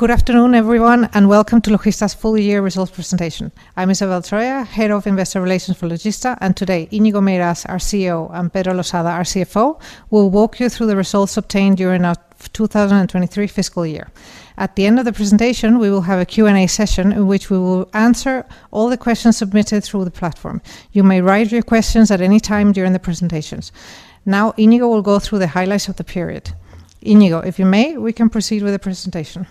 Good afternoon, everyone, and welcome to Logista's full year results presentation. I'm Isabel Troya, Head of Investor Relations for Logista, and today, Íñigo Meirás, our CEO, and Pedro Losada, our CFO, will walk you through the results obtained during our 2023 fiscal year. At the end of the presentation, we will have a Q&A session, in which we will answer all the questions submitted through the platform. You may write your questions at any time during the presentations. Now, Íñigo will go through the highlights of the period. Íñigo, if you may, we can proceed with the presentation.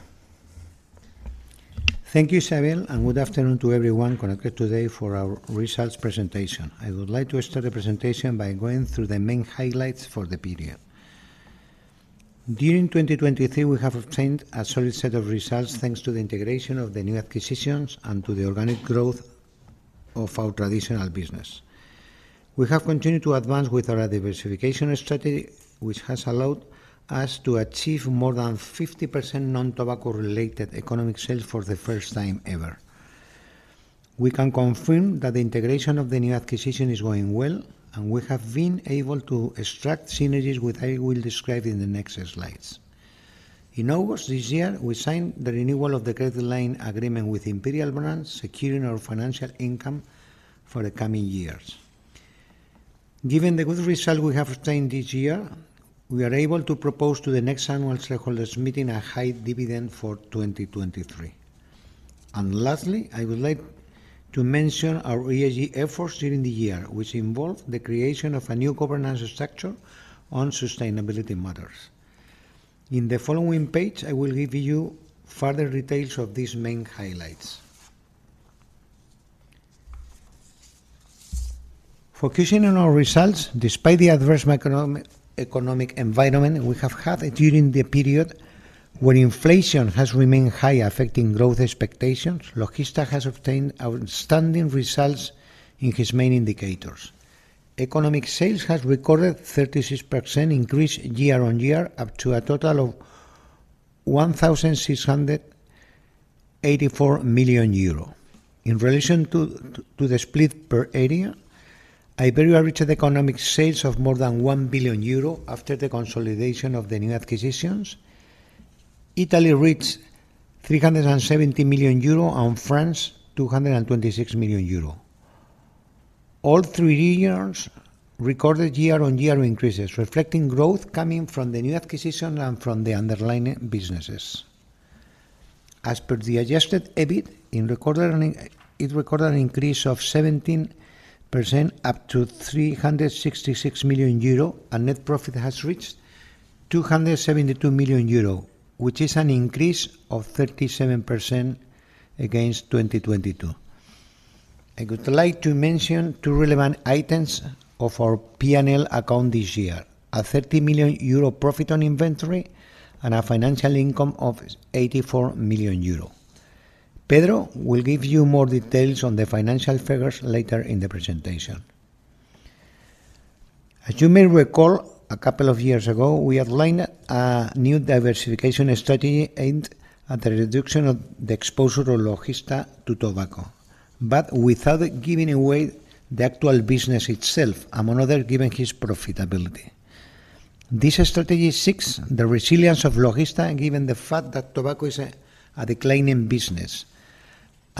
Thank you, Isabel, and good afternoon to everyone connected today for our results presentation. I would like to start the presentation by going through the main highlights for the period. During 2023, we have obtained a solid set of results, thanks to the integration of the new acquisitions and to the organic growth of our traditional business. We have continued to advance with our diversification strategy, which has allowed us to achieve more than 50% Non-Tobacco-Related Economic Sales for the first time ever. We can confirm that the integration of the new acquisition is going well, and we have been able to extract synergies, which I will describe in the next slides. In August this year, we signed the renewal of the credit line agreement with Imperial Brands, securing our financial income for the coming years. Given the good result we have obtained this year, we are able to propose to the next annual shareholders meeting a high dividend for 2023. Lastly, I would like to mention our ESG efforts during the year, which involved the creation of a new governance structure on sustainability matters. In the following page, I will give you further details of these main highlights. Focusing on our results, despite the adverse economic environment we have had during the period, where inflation has remained high, affecting growth expectations, Logista has obtained outstanding results in its main indicators. Economic sales has recorded 36% increase year-on-year, up to a total of 1,684 million euro. In relation to the split per area, Iberia reached economic sales of more than 1 billion euro after the consolidation of the new acquisitions. Italy reached 370 million euro, and France, 226 million euro. All three regions recorded year-on-year increases, reflecting growth coming from the new acquisition and from the underlying businesses. As per the adjusted EBIT, it recorded an increase of 17%, up to 366 million euro, and net profit has reached 272 million euro, which is an increase of 37% against 2022. I would like to mention two relevant items of our PNL account this year: a 30 million euro profit on inventory and a financial income of 84 million euro. Pedro will give you more details on the financial figures later in the presentation. As you may recall, a couple of years ago, we outlined a new diversification strategy aimed at the reduction of the exposure of Logista to tobacco, but without giving away the actual business itself, among other, given its profitability. This strategy seeks the resilience of Logista, given the fact that tobacco is a declining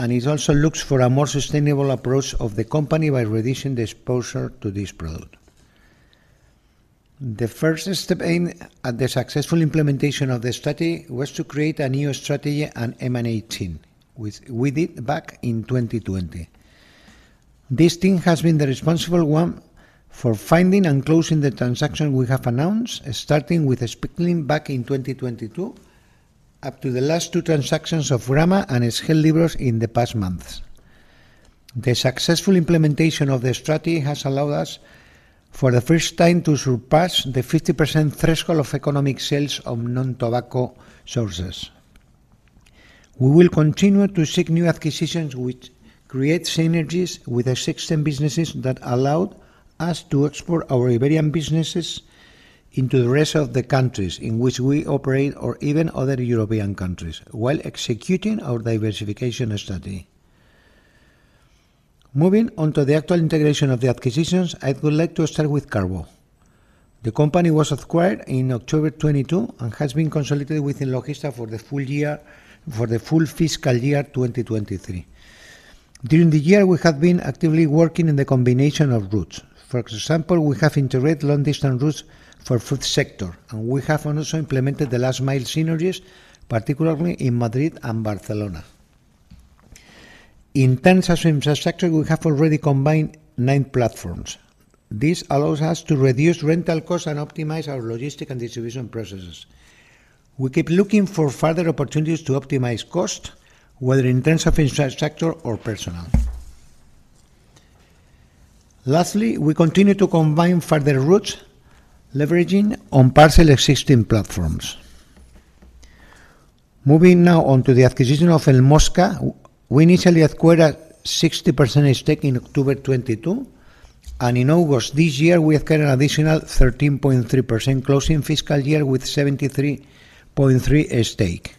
business, and it also looks for a more sustainable approach of the company by reducing the exposure to this product. The first step in the successful implementation of the strategy was to create a new strategy and M&A team, which we did back in 2020. This team has been the responsible one for finding and closing the transaction we have announced, starting with Speedlink back in 2022, up to the last two transactions of Gramma and SGEL Libros in the past months. The successful implementation of the strategy has allowed us, for the first time, to surpass the 50% threshold of Economic Sales of non-tobacco sources. We will continue to seek new acquisitions which create synergies with the system businesses that allowed us to export our Iberian businesses into the rest of the countries in which we operate, or even other European countries, while executing our diversification strategy. Moving on to the actual integration of the acquisitions, I would like to start with Carbó Collbatallé. The company was acquired in October 2022 and has been consolidated within Logista for the full fiscal year 2023. During the year, we have been actively working on the combination of routes. For example, we have integrated long-distance routes for food sector, and we have also implemented the last-mile synergies, particularly in Madrid and Barcelona. In terms of infrastructure, we have already combined nine platforms. This allows us to reduce rental costs and optimize our logistic and distribution processes. We keep looking for further opportunities to optimize costs, whether in terms of infrastructure or personnel. Lastly, we continue to combine further routes, leveraging on parcel existing platforms. Moving now on to the acquisition of El Mosca. We initially acquired a 60% stake in October 2022, and in August this year, we acquired an additional 13.3%, closing fiscal year with 73.3% stake.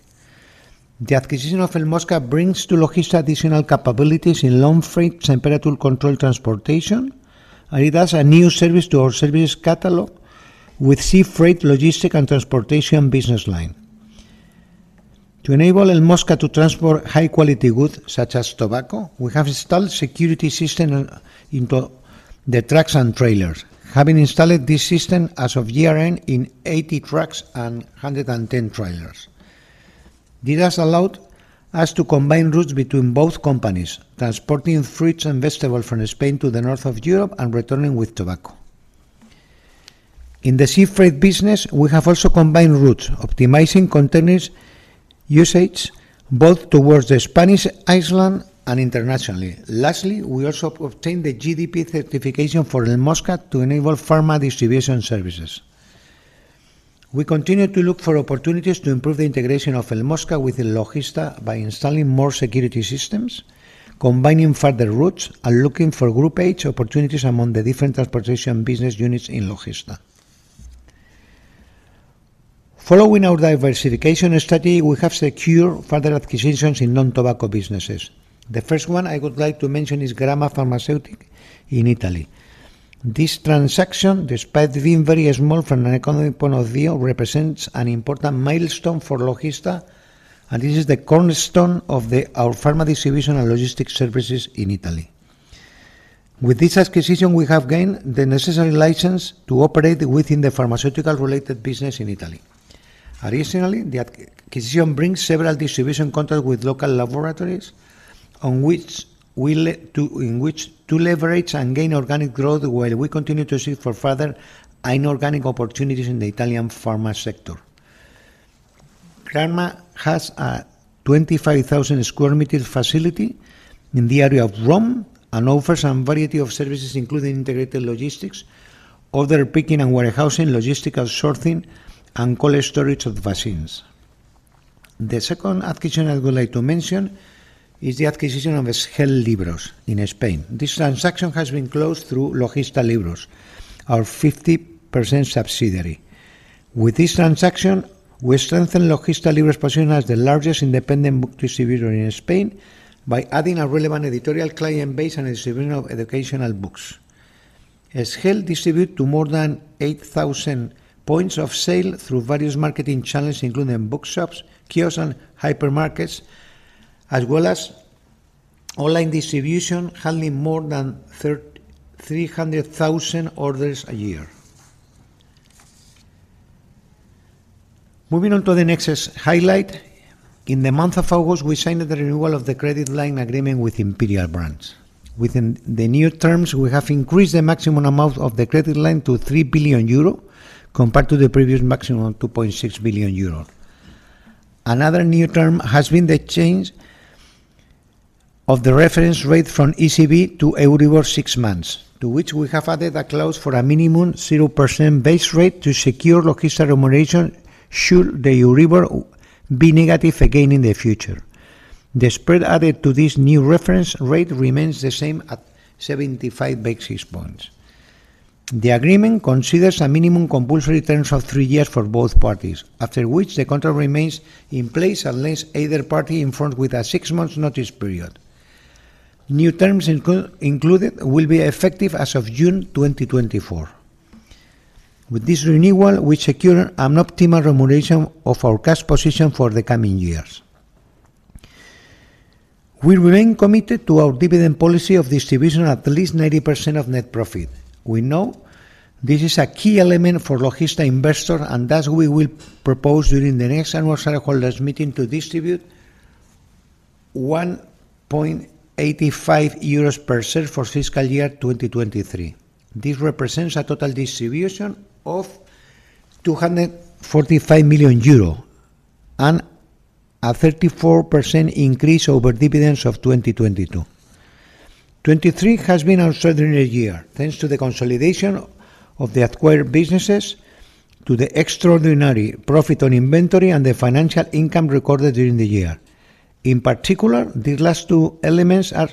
The acquisition of El Mosca brings to Logista additional capabilities in long freight temperature control transportation, and it adds a new service to our service catalog with sea freight logistic and transportation business line. To enable El Mosca to transport high-quality goods, such as tobacco, we have installed security system onto the trucks and trailers, having installed this system as of year-end in 80 trucks and 110 trailers. This has allowed us to combine routes between both companies, transporting fruits and vegetables from Spain to the north of Europe and returning with tobacco. In the sea freight business, we have also combined routes, optimizing containers usage both towards the Spanish island and internationally. Lastly, we also obtained the GDP certification for El Mosca to enable pharma distribution services. We continue to look for opportunities to improve the integration of El Mosca with Logista by installing more security systems, combining further routes, and looking for groupage opportunities among the different transportation business units in Logista. Following our diversification strategy, we have secured further acquisitions in non-tobacco businesses. The first one I would like to mention is Gramma Farmaceutici in Italy. This transaction, despite being very small from an economic point of view, represents an important milestone for Logista, and this is the cornerstone of our pharma distribution and logistics services in Italy. With this acquisition, we have gained the necessary license to operate within the pharmaceutical-related business in Italy. Additionally, the acquisition brings several distribution contracts with local laboratories, in which to leverage and gain organic growth, while we continue to seek for further inorganic opportunities in the Italian pharma sector. Gramma Farmaceutici has a 25,000 square meter facility in the area of Rome and offers some variety of services, including integrated logistics, order picking and warehousing, logistical sorting, and cold storage of vaccines. The second acquisition I would like to mention is the acquisition of SGEL Libros in Spain. This transaction has been closed through Logista Libros, our 50% subsidiary. With this transaction, we strengthen Logista Libros' position as the largest independent book distributor in Spain by adding a relevant editorial client base and distributor of educational books. SGEL distribute to more than 8,000 points of sale through various marketing channels, including bookshops, kiosks, and hypermarkets, as well as online distribution, handling more than three hundred thousand orders a year. Moving on to the next highlight. In the month of August, we signed the renewal of the credit line agreement with Imperial Brands. Within the new terms, we have increased the maximum amount of the credit line to 3 billion euro, compared to the previous maximum of 2.6 billion euro. Another new term has been the change of the reference rate from ECB to Euribor six months, to which we have added a clause for a minimum 0% base rate to secure Logista remuneration, should the Euribor be negative again in the future. The spread added to this new reference rate remains the same, at 75 basis points. The agreement considers a minimum compulsory terms of 3 years for both parties, after which the contract remains in place unless either party informs with a 6-month notice period. New terms included will be effective as of June 2024. With this renewal, we secure an optimal remuneration of our cash position for the coming years. We remain committed to our dividend policy of distribution at least 90% of net profit. We know this is a key element for Logista investor, and thus we will propose during the next annual shareholders meeting to distribute 1.85 euros per share for fiscal year 2023. This represents a total distribution of 245 million euro and a 34% increase over dividends of 2022. 2023 has been an extraordinary year, thanks to the consolidation of the acquired businesses, to the extraordinary profit on inventory and the financial income recorded during the year. In particular, these last two elements are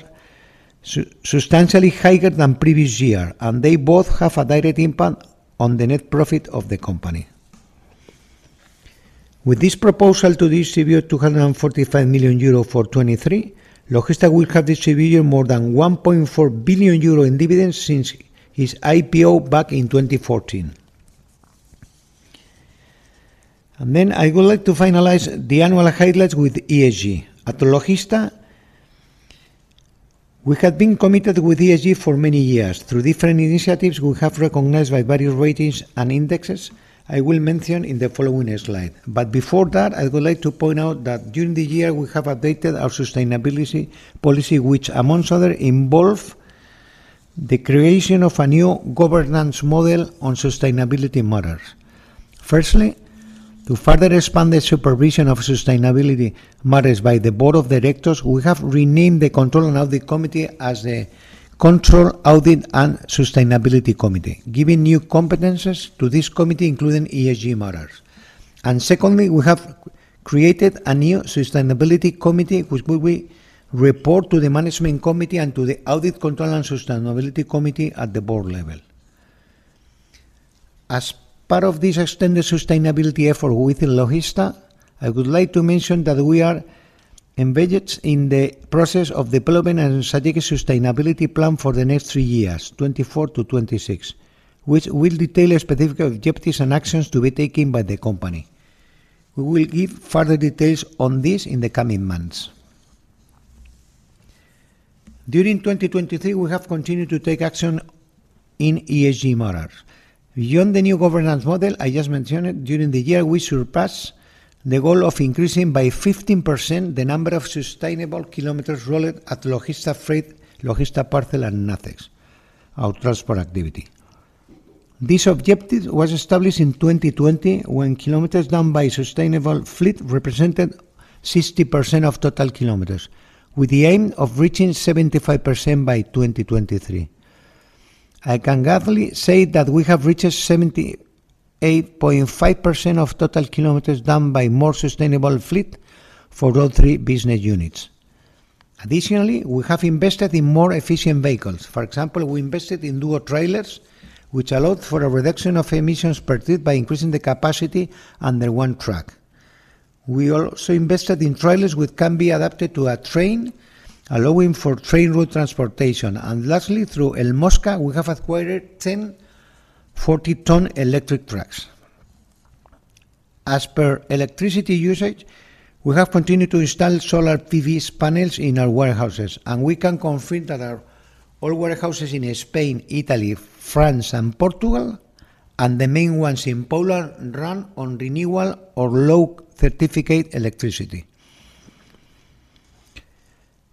substantially higher than previous year, and they both have a direct impact on the net profit of the company. With this proposal to distribute 245 million euro for 2023, Logista will have distributed more than 1.4 billion euro in dividends since its IPO back in 2014. Then I would like to finalize the annual highlights with ESG. At Logista, we have been committed with ESG for many years. Through different initiatives, we have recognized by various ratings and indexes I will mention in the following slide. But before that, I would like to point out that during the year, we have updated our sustainability policy, which amongst other, involve the creation of a new governance model on sustainability matters. Firstly, to further expand the supervision of sustainability matters by the board of directors, we have renamed the Control and Audit Committee as the Control, Audit, and Sustainability Committee, giving new competencies to this committee, including ESG matters. And secondly, we have created a new sustainability committee, which will be report to the management committee and to the Audit, Control, and Sustainability Committee at the board level. As part of this extended sustainability effort within Logista, I would like to mention that we are embedded in the process of development and strategic sustainability plan for the next three years, 2024-2026, which will detail specific objectives and actions to be taken by the company. We will give further details on this in the coming months. During 2023, we have continued to take action in ESG matters. Beyond the new governance model I just mentioned, during the year, we surpassed the goal of increasing by 15% the number of sustainable kilometers rolled at Logista Freight, Logista Parcel, and Nacex, our transport activity. This objective was established in 2020, when kilometers done by sustainable fleet represented 60% of total kilometers, with the aim of reaching 75% by 2023. I can gladly say that we have reached 78.5% of total kilometers done by more sustainable fleet for all three business units. Additionally, we have invested in more efficient vehicles. For example, we invested in duo trailers, which allowed for a reduction of emissions per trip by increasing the capacity under one truck. We also invested in trailers which can be adapted to a train, allowing for train route transportation. And lastly, through El Mosca, we have acquired 10 40-ton electric trucks. As per electricity usage, we have continued to install solar PV panels in our warehouses, and we can confirm that all our warehouses in Spain, Italy, France, and Portugal, and the main ones in Poland, run on renewable or low certificate electricity.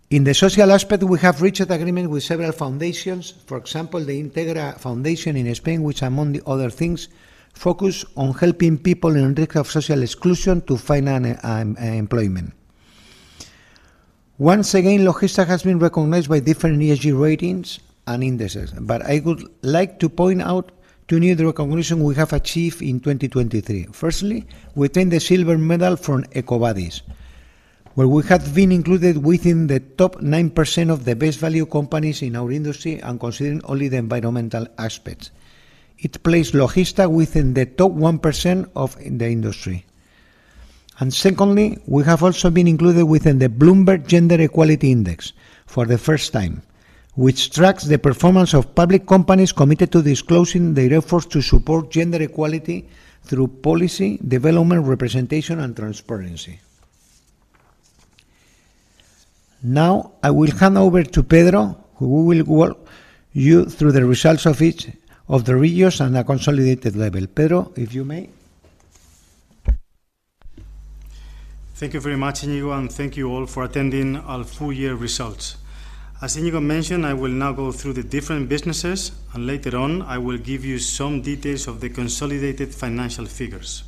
In the social aspect, we have reached agreement with several foundations. For example, the Integra Foundation in Spain, which, among other things, focus on helping people in risk of social exclusion to find an employment. Once again, Logista has been recognized by different ESG ratings and indices, but I would like to point out two new recognition we have achieved in 2023. Firstly, we obtained the silver medal from EcoVadis, where we have been included within the top 9% of the best value companies in our industry and considering only the environmental aspects. It placed Logista within the top 1% of the industry. Secondly, we have also been included within the Bloomberg Gender Equality Index for the first time, which tracks the performance of public companies committed to disclosing their efforts to support gender equality through policy, development, representation, and transparency. Now, I will hand over to Pedro, who will walk you through the results of each of the regions on a consolidated level. Pedro, if you may. Thank you very much, Íñigo, and thank you all for attending our full year results. As Íñigo mentioned, I will now go through the different businesses, and later on, I will give you some details of the consolidated financial figures.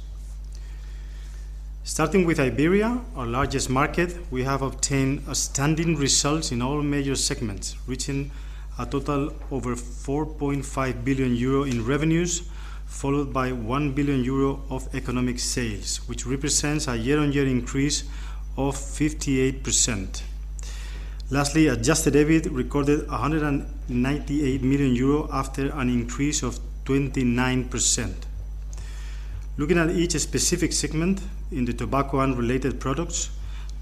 Starting with Iberia, our largest market, we have obtained outstanding results in all major segments, reaching a total over 4.5 billion euro in revenues, followed by 1 billion euro of economic sales, which represents a year-on-year increase of 58%. Lastly, adjusted EBIT recorded 198 million euro after an increase of 29%. Looking at each specific segment, in the tobacco and related products,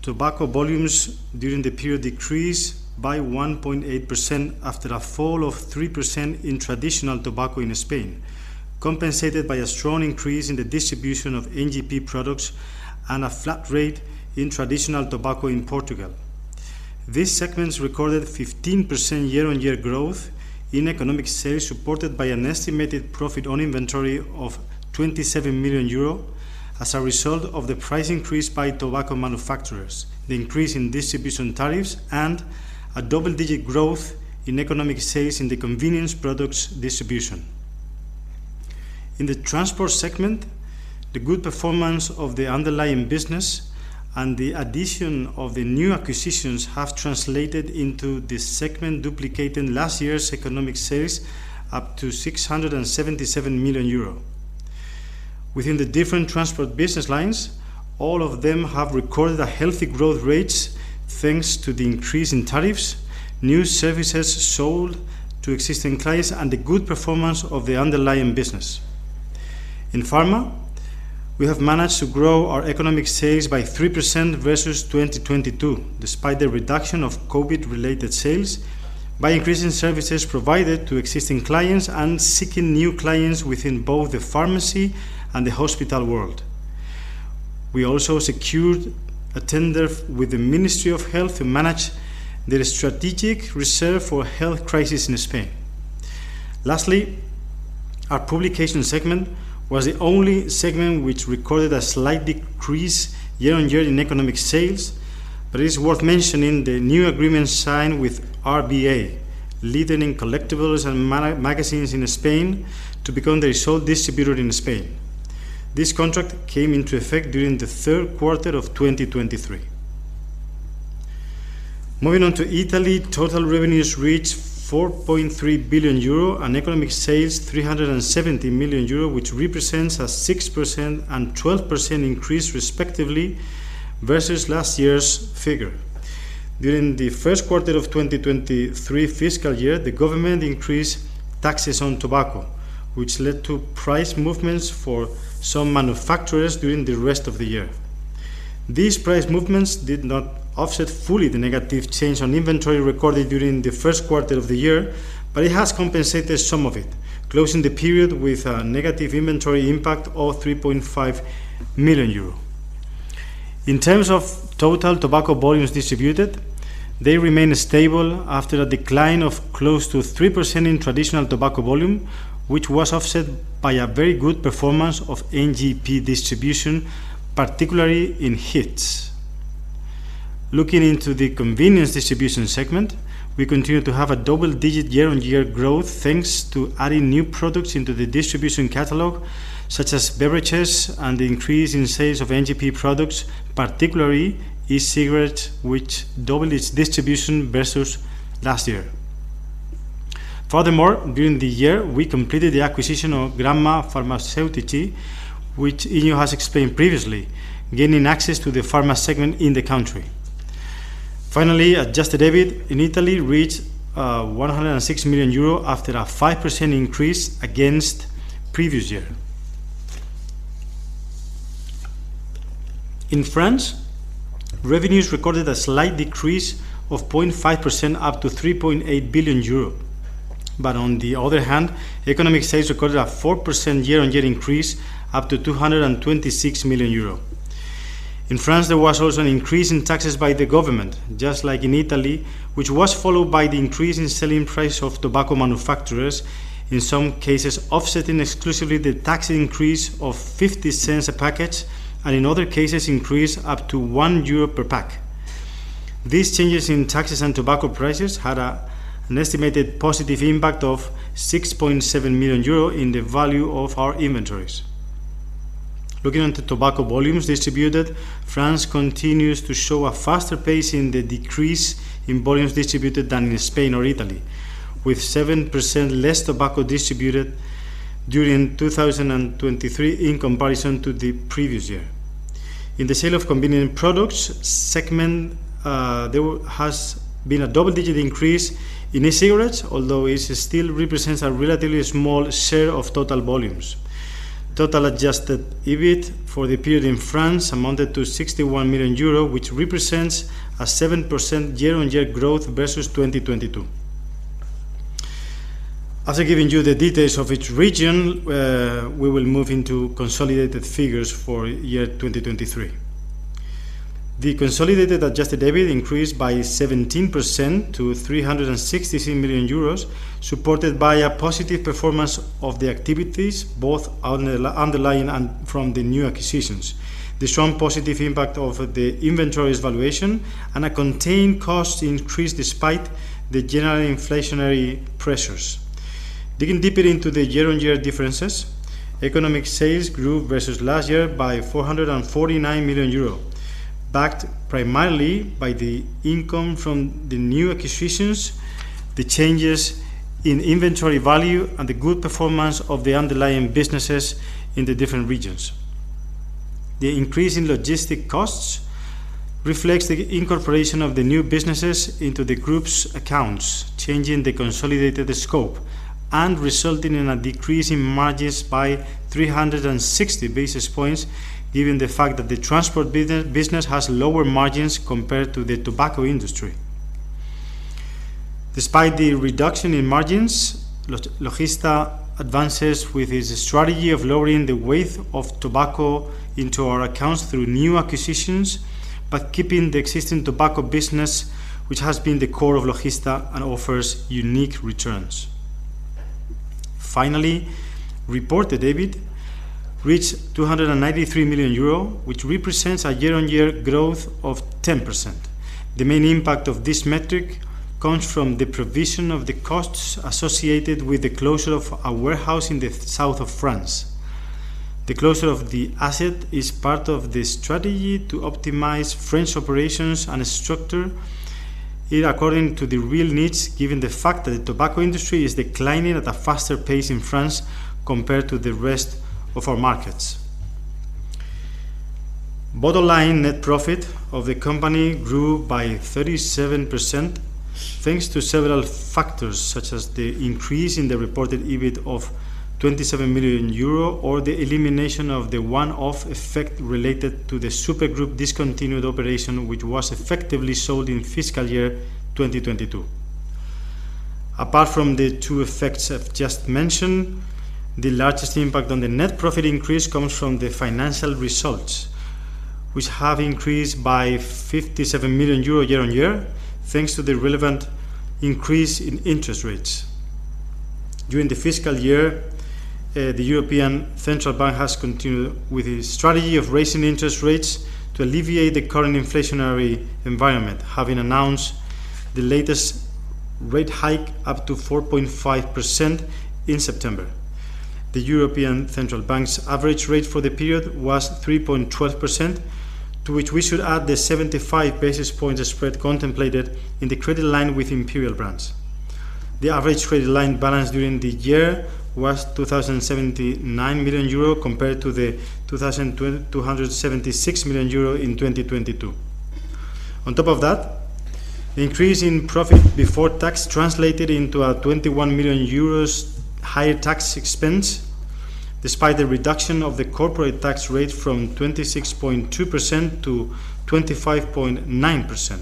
tobacco volumes during the period decreased by 1.8% after a fall of 3% in traditional tobacco in Spain, compensated by a strong increase in the distribution of NGP products and a flat rate in traditional tobacco in Portugal. These segments recorded 15% year-on-year growth in economic sales, supported by an estimated profit on inventory of 27 million euro, as a result of the price increase by tobacco manufacturers, the increase in distribution tariffs, and a double-digit growth in economic sales in the convenience products distribution. In the transport segment, the good performance of the underlying business and the addition of the new acquisitions have translated into this segment duplicating last year's economic sales up to 677 million euro. Within the different transport business lines, all of them have recorded a healthy growth rates, thanks to the increase in tariffs, new services sold to existing clients, and the good performance of the underlying business. In pharma, we have managed to grow our economic sales by 3% versus 2022, despite the reduction of COVID-related sales, by increasing services provided to existing clients and seeking new clients within both the pharmacy and the hospital world. We also secured a tender with the Ministry of Health to manage the strategic reserve for health crisis in Spain. Lastly, our publication segment was the only segment which recorded a slight decrease year-on-year in economic sales, but it is worth mentioning the new agreement signed with RBA, leading in collectibles and magazines in Spain, to become the sole distributor in Spain. This contract came into effect during the third quarter of 2023. Moving on to Italy, total revenues reached 4.3 billion euro and economic sales, 370 million euro, which represents a 6% and 12% increase, respectively, versus last year's figure. During the first quarter of 2023 fiscal year, the government increased taxes on tobacco, which led to price movements for some manufacturers during the rest of the year. These price movements did not offset fully the negative change on inventory recorded during the first quarter of the year, but it has compensated some of it, closing the period with a negative inventory impact of 3.5 million euro. In terms of total tobacco volumes distributed, they remain stable after a decline of close to 3% in traditional tobacco volume, which was offset by a very good performance of NGP distribution, particularly in HEETS. Looking into the convenience distribution segment, we continue to have a double-digit year-on-year growth, thanks to adding new products into the distribution catalog, such as beverages and the increase in sales of NGP products, particularly e-cigarettes, which doubled its distribution versus last year. Furthermore, during the year, we completed the acquisition of Gramma Farmaceutici, which Íñigo has explained previously, gaining access to the pharma segment in the country. Finally, Adjusted EBIT in Italy reached 106 million euro after a 5% increase against previous year. In France, revenues recorded a slight decrease of 0.5%, up to 3.8 billion euro. But on the other hand, economic sales recorded a 4% year-on-year increase, up to 226 million euro. In France, there was also an increase in taxes by the government, just like in Italy, which was followed by the increase in selling price of tobacco manufacturers, in some cases offsetting exclusively the tax increase of 0.50 a package, and in other cases, increase up to 1 euro per pack. These changes in taxes and tobacco prices had an estimated positive impact of 6.7 million euro in the value of our inventories. Looking into tobacco volumes distributed, France continues to show a faster pace in the decrease in volumes distributed than in Spain or Italy, with 7% less tobacco distributed during 2023 in comparison to the previous year. In the sale of convenience products segment, there has been a double-digit increase in e-cigarettes, although it still represents a relatively small share of total volumes. Total Adjusted EBIT for the period in France amounted to 61 million euros, which represents a 7% year-on-year growth versus 2022. After giving you the details of each region, we will move into consolidated figures for year 2023. The consolidated Adjusted EBIT increased by 17% to 366 million euros, supported by a positive performance of the activities, both underlying and from the new acquisitions, the strong positive impact of the inventory's valuation, and a contained cost increase despite the general inflationary pressures. Digging deeper into the year-on-year differences, economic sales grew versus last year by 449 million euro, backed primarily by the income from the new acquisitions, the changes in inventory value, and the good performance of the underlying businesses in the different regions. The increase in logistics costs reflects the incorporation of the new businesses into the group's accounts, changing the consolidated scope and resulting in a decrease in margins by 360 basis points, given the fact that the transport business has lower margins compared to the tobacco industry. Despite the reduction in margins, Logista advances with its strategy of lowering the weight of tobacco into our accounts through new acquisitions, but keeping the existing tobacco business, which has been the core of Logista and offers unique returns. Finally, reported EBIT reached 293 million euro, which represents a year-on-year growth of 10%. The main impact of this metric comes from the provision of the costs associated with the closure of a warehouse in the south of France. The closure of the asset is part of the strategy to optimize French operations and structure it according to the real needs, given the fact that the tobacco industry is declining at a faster pace in France compared to the rest of our markets. Bottom line, net profit of the company grew by 37%, thanks to several factors, such as the increase in the reported EBIT of 27 million euro or the elimination of the one-off effect related to the Super Group discontinued operation, which was effectively sold in fiscal year 2022. Apart from the two effects I've just mentioned, the largest impact on the net profit increase comes from the financial results, which have increased by 57 million euro year-on-year, thanks to the relevant increase in interest rates. During the fiscal year, the European Central Bank has continued with its strategy of raising interest rates to alleviate the current inflationary environment, having announced the latest rate hike up to 4.5% in September. The European Central Bank's average rate for the period was 3.12%, to which we should add the 75 basis points spread contemplated in the credit line with Imperial Brands. The average credit line balance during the year was 2,079 million euro, compared to the 2,276 million euro in 2022. On top of that, the increase in profit before tax translated into a 21 million euros higher tax expense, despite the reduction of the corporate tax rate from 26.2%-25.9%.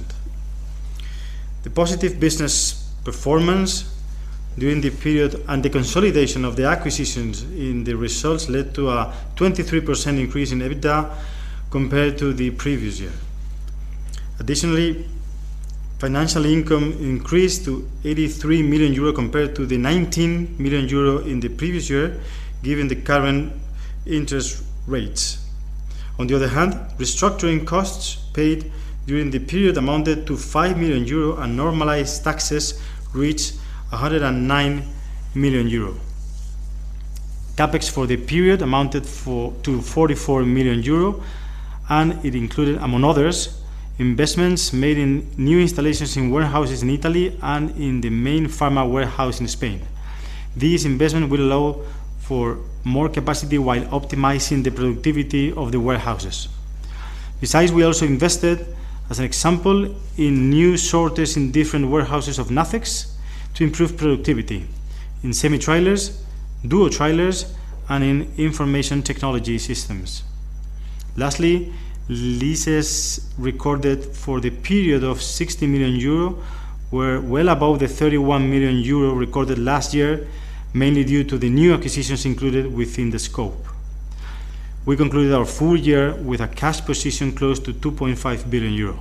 The positive business performance during the period and the consolidation of the acquisitions in the results led to a 23% increase in EBITDA compared to the previous year. Additionally, financial income increased to 83 million euro, compared to the 19 million euro in the previous year, given the current interest rates. On the other hand, restructuring costs paid during the period amounted to 5 million euro, and normalized taxes reached 109 million euro. CapEx for the period amounted to 44 million euro, and it included, among others, investments made in new installations in warehouses in Italy and in the main pharma warehouse in Spain. These investments will allow for more capacity while optimizing the productivity of the warehouses. Besides, we also invested, as an example, in new sorters in different warehouses of Nacex to improve productivity, in semi-trailers, dual trailers, and in information technology systems. Lastly, leases recorded for the period of 60 million euro were well above the 31 million euro recorded last year, mainly due to the new acquisitions included within the scope. We concluded our full year with a cash position close to 2.5 billion euro.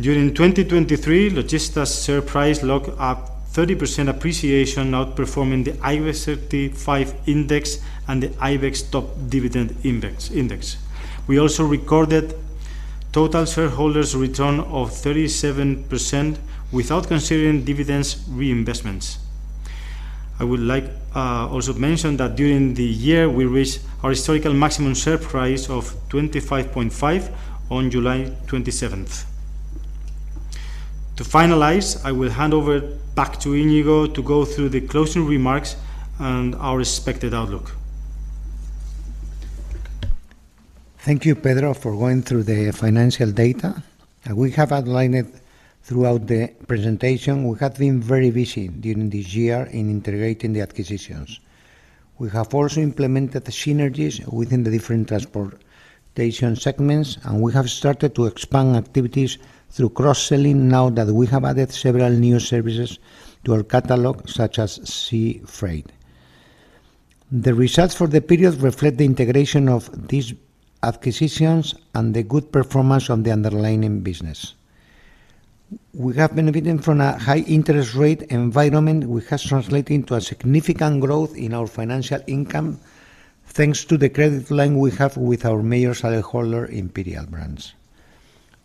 During 2023, Logista's share price locked a 30% appreciation, outperforming the IBEX 35 Index and the IBEX Top Dividend Index. We also recorded total shareholders' return of 37% without considering dividends reinvestments. I would like also mention that during the year, we reached our historical maximum share price of 25.5 on July 27th. To finalize, I will hand over back to Íñigo to go through the closing remarks and our expected outlook. Thank you, Pedro, for going through the financial data. As we have outlined it throughout the presentation, we have been very busy during this year in integrating the acquisitions. We have also implemented the synergies within the different transportation segments, and we have started to expand activities through cross-selling now that we have added several new services to our catalog, such as sea freight. The results for the period reflect the integration of these acquisitions and the good performance of the underlying business. We have benefited from a high interest rate environment, which has translated into a significant growth in our financial income, thanks to the credit line we have with our major shareholder, Imperial Brands.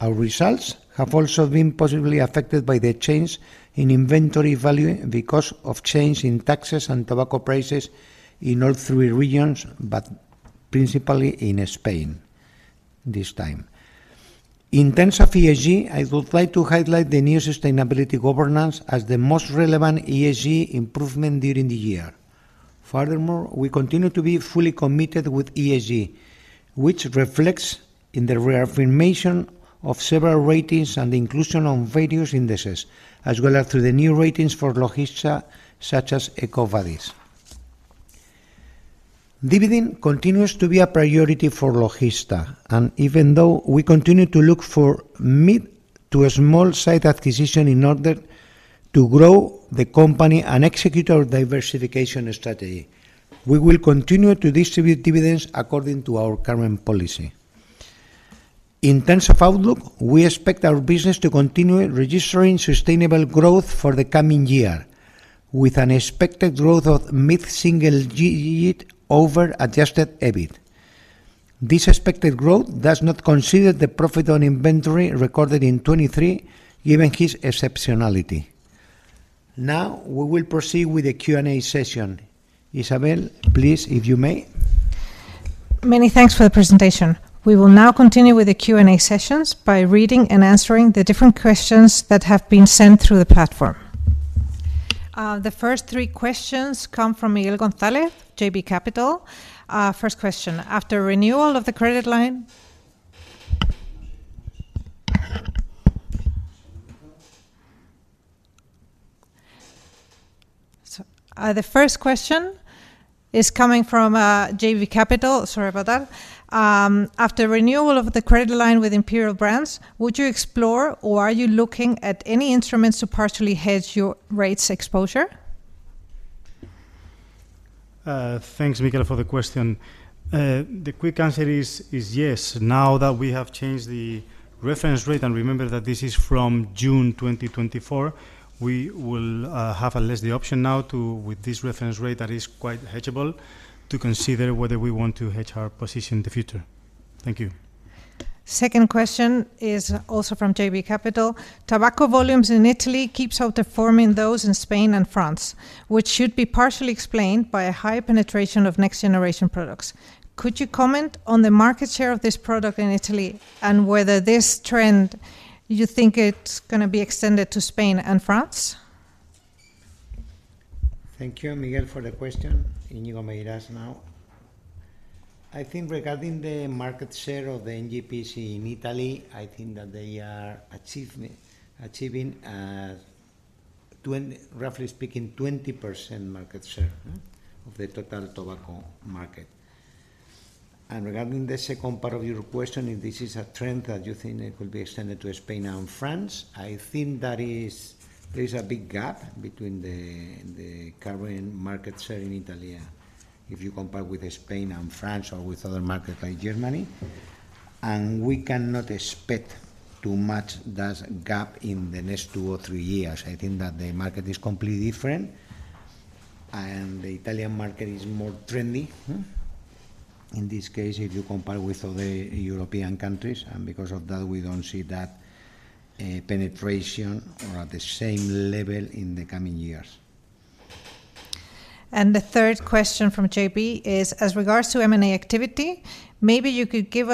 Our results have also been positively affected by the change in inventory value because of change in taxes and tobacco prices in all three regions, but principally in Spain this time. In terms of ESG, I would like to highlight the new sustainability governance as the most relevant ESG improvement during the year. Furthermore, we continue to be fully committed with ESG, which reflects in the reaffirmation of several ratings and inclusion on various indices, as well as through the new ratings for Logista, such as EcoVadis. Dividend continues to be a priority for Logista, and even though we continue to look for mid- to small-size acquisition in order to grow the company and execute our diversification strategy, we will continue to distribute dividends according to our current policy. In terms of outlook, we expect our business to continue registering sustainable growth for the coming year, with an expected growth of mid-single digit over Adjusted EBIT. This expected growth does not consider the profit on inventory recorded in 2023, given its exceptionality. Now, we will proceed with the Q&A session. Isabel, please, if you may. Many thanks for the presentation. We will now continue with the Q&A sessions by reading and answering the different questions that have been sent through the platform. The first three questions come from Miguel Gonzalez, JB Capital. First question: After renewal of the credit line with Imperial Brands, would you explore, or are you looking at any instruments to partially hedge your rates exposure? Thanks, Miguel, for the question. The quick answer is, is yes. Now that we have changed the reference rate, and remember that this is from June 2024, we will have at least the option now to, with this reference rate that is quite hedgeable, to consider whether we want to hedge our position in the future. Thank you. Second question is also from JB Capital. Tobacco volumes in Italy keeps outperforming those in Spain and France, which should be partially explained by a high penetration of next-generation products. Could you comment on the market share of this product in Italy, and whether this trend, you think it's gonna be extended to Spain and France? ... Thank you, Miguel, for the question, Íñigo Meirás now. I think regarding the market share of the NGP in Italy, I think that they are achieving, roughly speaking, 20% market share of the total tobacco market. And regarding the second part of your question, if this is a trend that you think it will be extended to Spain and France, I think that is, there is a big gap between the current market share in Italy, if you compare with Spain and France or with other market like Germany. And we cannot expect to match that gap in the next two or three years. I think that the market is completely different, and the Italian market is more trendy. In this case, if you compare with other European countries, and because of that, we don't see that penetration or at the same level in the coming years. And the third question from JP is: As regards to M&A activity, maybe you could guide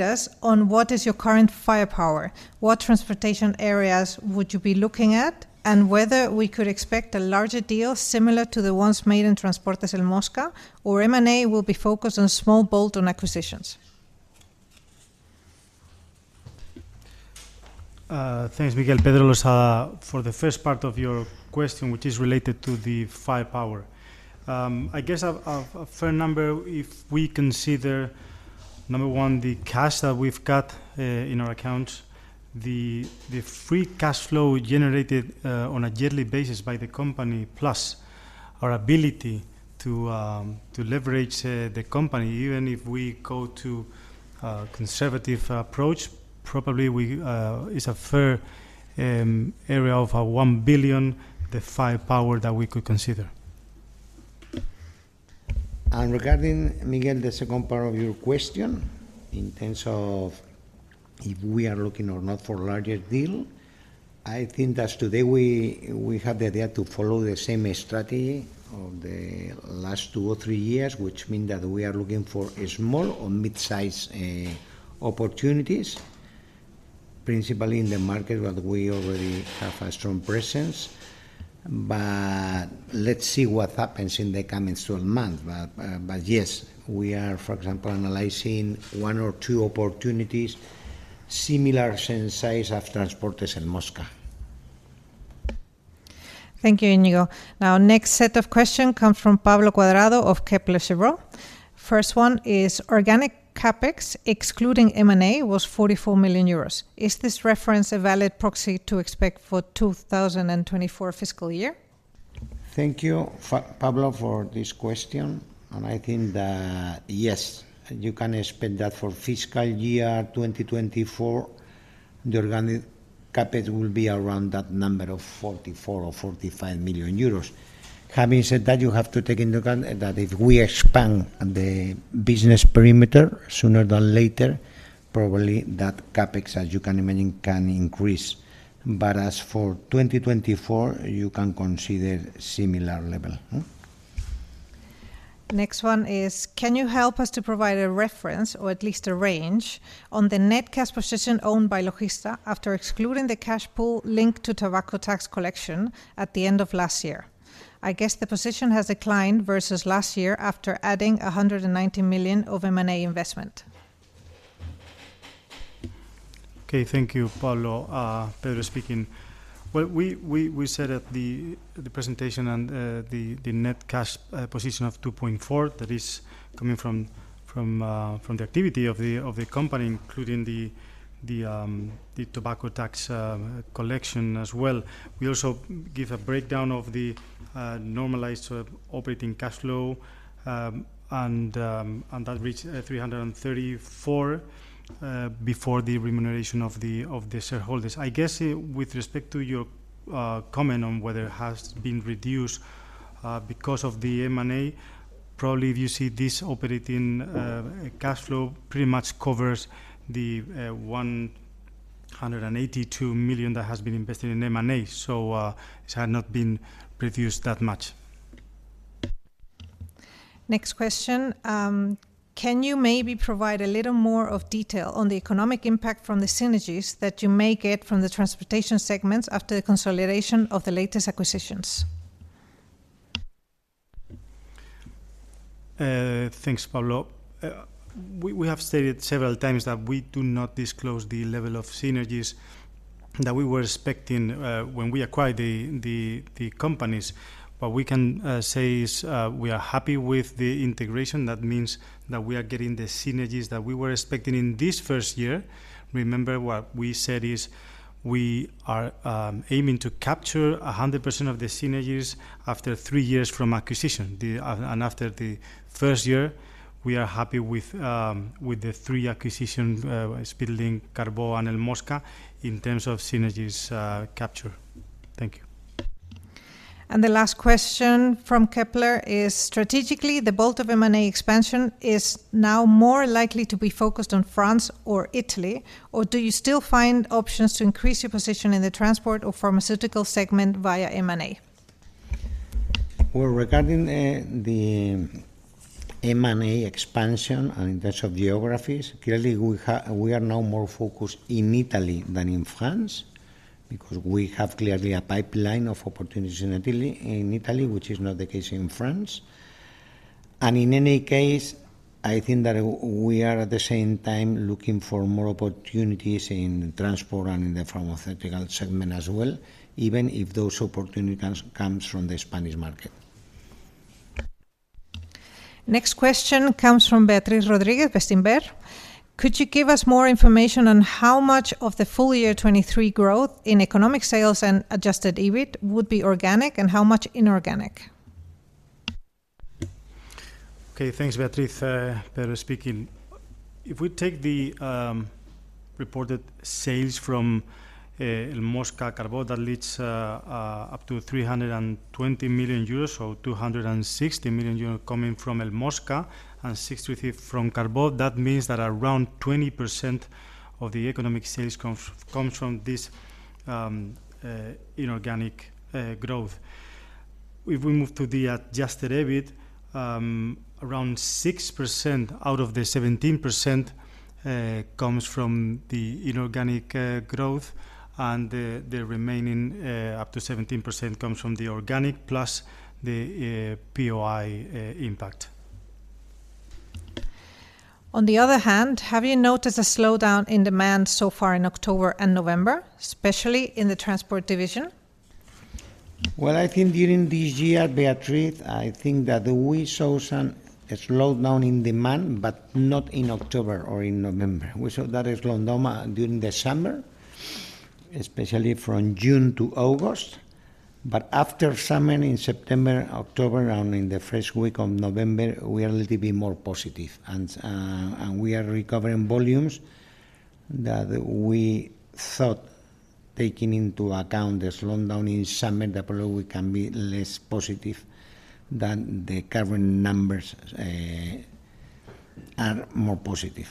us on what is your current firepower, what transportation areas would you be looking at, and whether we could expect a larger deal similar to the ones made in Transportes El Mosca, or M&A will be focused on small, bolt-on acquisitions? Thanks, Miguel. Pedro Losada. For the first part of your question, which is related to the firepower, I guess a fair number, if we consider, number one, the cash that we've got in our accounts, the free cash flow generated on a yearly basis by the company, plus our ability to leverage the company, even if we go to a conservative approach, probably we... It's a fair area of 1 billion, the firepower that we could consider. Regarding Miguel, the second part of your question, in terms of if we are looking or not for a larger deal, I think that today we have the idea to follow the same strategy of the last two or three years, which mean that we are looking for a small or mid-sized opportunities, principally in the market where we already have a strong presence. But let's see what happens in the coming 12 months. But yes, we are, for example, analyzing one or two opportunities similar in size of Transportes El Mosca. Thank you, Íñigo. Now, next set of question come from Pablo Cuadrado of Kepler Cheuvreux. First one is: Organic CapEx, excluding M&A, was 44 million euros. Is this reference a valid proxy to expect for 2024 fiscal year? Thank you, Pablo, for this question, and I think that, yes, you can expect that for fiscal year 2024, the organic CapEx will be around that number of 44 million or 45 million euros. Having said that, you have to take into account that if we expand the business perimeter sooner than later, probably that CapEx, as you can imagine, can increase. But as for 2024, you can consider similar level. Next one is: Can you help us to provide a reference, or at least a range, on the net cash position owned by Logista after excluding the cash pool linked to tobacco tax collection at the end of last year? I guess the position has declined versus last year after adding 190 million of M&A investment. Okay. Thank you, Pablo. Pedro speaking. Well, we said at the presentation and the net cash position of 2.4 million, that is coming from the activity of the company, including the tobacco tax collection as well. We also give a breakdown of the normalized operating cash flow, and that reached 334 million, before the remuneration of the shareholders. I guess, with respect to your comment on whether it has been reduced because of the M&A, probably if you see this operating cash flow pretty much covers the 182 million that has been invested in M&A, so it had not been reduced that much. Next question: Can you maybe provide a little more of detail on the economic impact from the synergies that you may get from the transportation segments after the consolidation of the latest acquisitions? Thanks, Pablo. We have stated several times that we do not disclose the level of synergies that we were expecting when we acquired the companies. What we can say is we are happy with the integration. That means that we are getting the synergies that we were expecting in this first year. Remember, what we said is, we are aiming to capture 100% of the synergies after three years from acquisition. And after the first year, we are happy with the three acquisitions, Speedlink, Carbó, and Mosca, in terms of synergies capture. Thank you. The last question from Kepler is: Strategically, the bolt-on M&A expansion is now more likely to be focused on France or Italy, or do you still find options to increase your position in the transport or pharmaceutical segment via M&A?... Well, regarding the M&A expansion and in terms of geographies, clearly we are now more focused in Italy than in France, because we have clearly a pipeline of opportunities in Italy, in Italy, which is not the case in France. In any case, I think that we are at the same time looking for more opportunities in transport and in the pharmaceutical segment as well, even if those opportunities comes from the Spanish market. Next question comes from Beatriz Rodriguez, Bestinver. Could you give us more information on how much of the full year 2023 growth in economic sales and adjusted EBIT would be organic, and how much inorganic? Okay, thanks, Beatriz. Pedro speaking. If we take the reported sales from El Mosca, Carbó Collbatallé up to 320 million euros, or 260 million euros coming from El Mosca and 63 million from Carbó, that means that around 20% of the economic sales come from this inorganic growth. If we move to the adjusted EBIT, around 6% out of the 17% comes from the inorganic growth, and the remaining up to 17% comes from the organic plus the POI impact. On the other hand, have you noticed a slowdown in demand so far in October and November, especially in the transport division? Well, I think during this year, Beatriz, I think that we saw some slowdown in demand, but not in October or in November. We saw that slowdown during the summer, especially from June to August. But after summer, in September, October, and in the first week of November, we are a little bit more positive, and and we are recovering volumes that we thought, taking into account the slowdown in summer, that probably we can be less positive than the current numbers are more positive.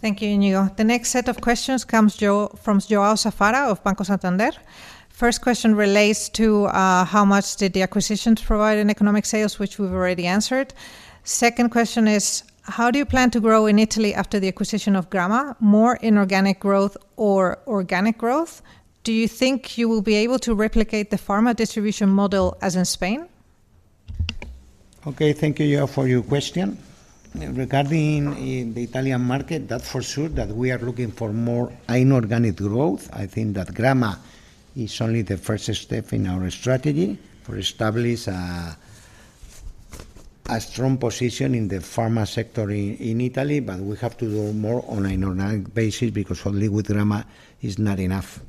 Thank you, Íñigo. The next set of questions comes from Joao Safara of Banco Santander. First question relates to how much did the acquisitions provide in economic sales, which we've already answered. Second question is: How do you plan to grow in Italy after the acquisition of Gramma? More inorganic growth or organic growth? Do you think you will be able to replicate the pharma distribution model as in Spain? Okay, thank you, Joao, for your question. Regarding in the Italian market, that for sure, that we are looking for more inorganic growth. I think that Gramma is only the first step in our strategy to establish a strong position in the pharma sector in Italy, but we have to go more on inorganic basis, because only with Gramma is not enough.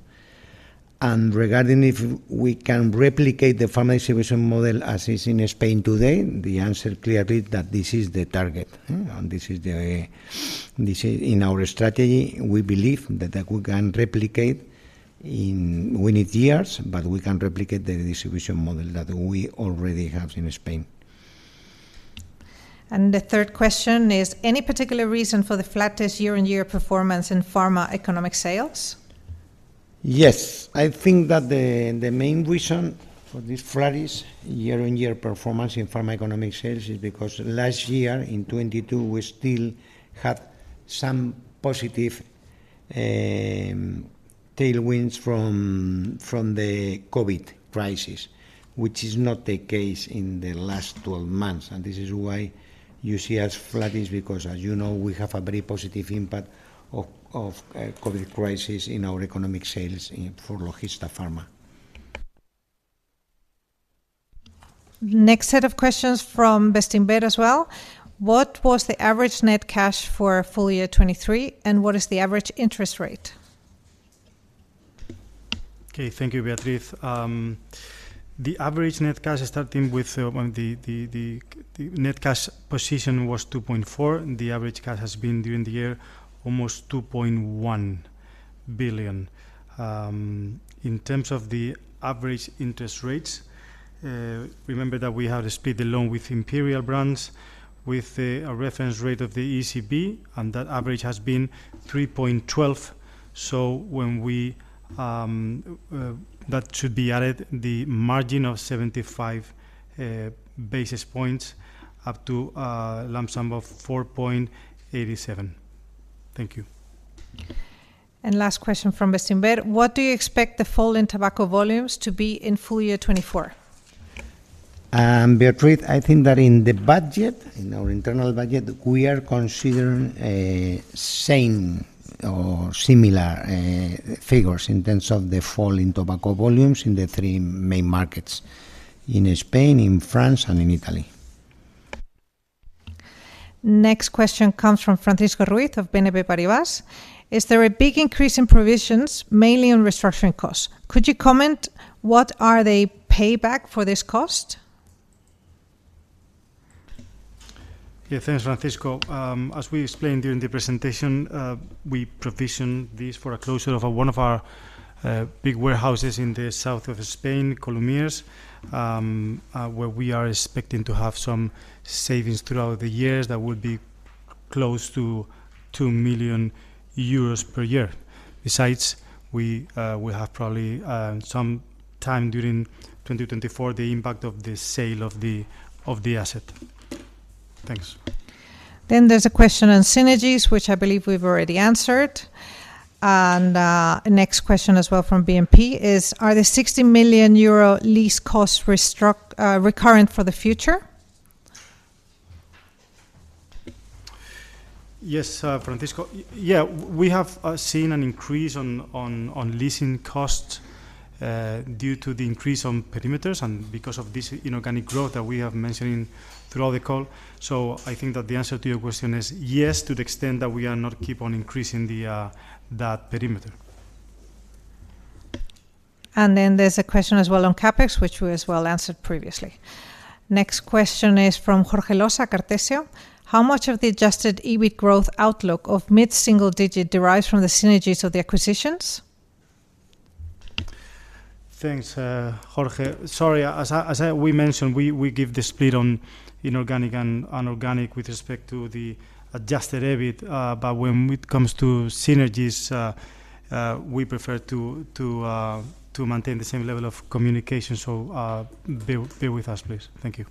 And regarding if we can replicate the pharma distribution model as is in Spain today, the answer clearly is that this is the target, and this is in our strategy. We believe that we can replicate it - we need years, but we can replicate the distribution model that we already have in Spain. The third question is: Any particular reason for the flattest year-on-year performance in pharma economic sales? Yes. I think that the main reason for this flattest year-on-year performance in pharma Economic Sales is because last year, in 2022, we still had some positive tailwinds from the COVID crisis, which is not the case in the last 12 months. And this is why you see as flattest, because as you know, we have a very positive impact of the COVID crisis in our Economic Sales in for Logista Pharma. Next set of questions from Bestinver as well. What was the average net cash for full year 2023, and what is the average interest rate? Okay, thank you, Beatriz. The average net cash is starting with the net cash position was 2.4 billion, and the average cash has been, during the year, almost 2.1 billion. In terms of the average interest rates, remember that we had a swap along with Imperial Brands with a reference rate of the ECB, and that average has been 3.12. So when we, that should be added the margin of 75 basis points, up to a lump sum of 4.87. Thank you. Last question from Bestinver: What do you expect the fall in tobacco volumes to be in full year 2024? Beatriz, I think that in the budget, in our internal budget, we are considering a same or similar figures in terms of the fall in tobacco volumes in the three main markets, in Spain, in France, and in Italy. Next question comes from Francisco Ruiz of BNP Paribas. Is there a big increase in provisions, mainly on restructuring costs? Could you comment, what are the payback for this cost? Yeah, thanks, Francisco. As we explained during the presentation, we provisioned this for a closure of one of our big warehouses in the south of Spain, Colomiers, where we are expecting to have some savings throughout the years that would be close to 2 million euros per year. Besides, we have probably some time during 2024, the impact of the sale of the asset. Thanks. There's a question on synergies, which I believe we've already answered. Next question as well from BNP is: Are the 60 million euro lease costs recurrent for the future? Yes, Francisco, yeah, we have seen an increase on leasing costs due to the increase on perimeters and because of this inorganic growth that we have mentioned through the call. So I think that the answer to your question is yes, to the extent that we are not keep on increasing that perimeter. And then there's a question as well on CapEx, which we as well answered previously. Next question is from Jorge Losa, Cartesio: How much of the adjusted EBIT growth outlook of mid-single digit derives from the synergies of the acquisitions? Thanks, Jorge. Sorry, as I mentioned, we give the split on inorganic and organic with respect to the adjusted EBIT, but when it comes to synergies, we prefer to maintain the same level of communication. So, bear with us, please. Thank you.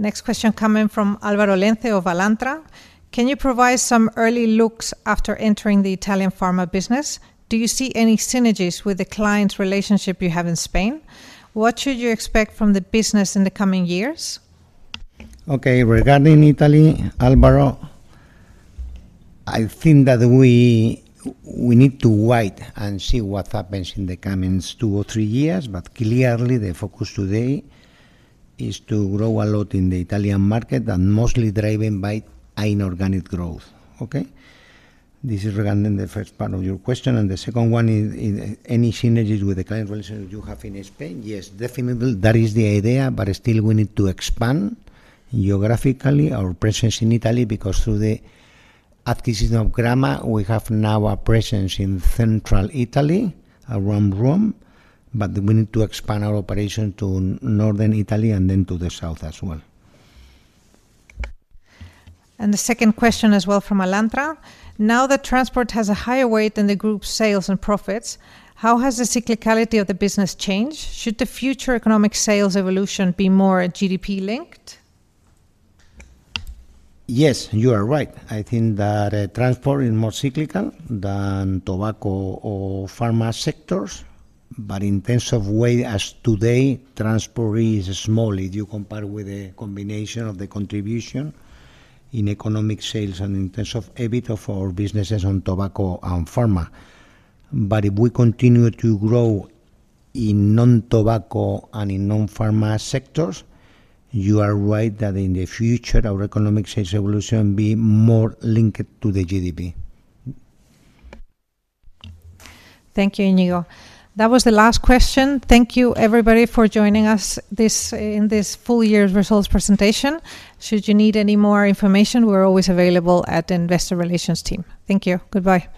Next question coming from `Alvaro Lenze of Alantra: Can you provide some early looks after entering the Italian pharma business? Do you see any synergies with the client relationship you have in Spain? What should you expect from the business in the coming years? Okay, regarding Italy, Alvaro, I think that we need to wait and see what happens in the coming two or three years. But clearly, the focus today is to grow a lot in the Italian market, and mostly driven by inorganic growth, okay? This is regarding the first part of your question. And the second one is any synergies with the client relationship you have in Spain? Yes, definitely, that is the idea, but still we need to expand geographically our presence in Italy, because through the acquisition of Gramma, we have now a presence in central Italy, around Rome, but we need to expand our operation to Northern Italy, and then to the south as well. The second question as well from Alantra: Now that transport has a higher weight than the group's sales and profits, how has the cyclicality of the business changed? Should the future economic sales evolution be more GDP-linked? Yes, you are right. I think that transport is more cyclical than tobacco or pharma sectors, but in terms of weight as today, transport is small if you compare with the combination of the contribution in economic sales and in terms of EBIT of our businesses on tobacco and pharma. But if we continue to grow in non-tobacco and in non-pharma sectors, you are right that in the future, our economic sales evolution will be more linked to the GDP. Thank you, Íñigo. That was the last question. Thank you, everybody, for joining us this, in this full year's results presentation. Should you need any more information, we're always available at Investor Relations team. Thank you. Goodbye.